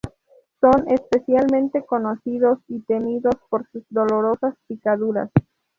Son especialmente conocidos y temidos por sus dolorosas picaduras.